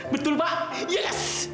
betul pak yes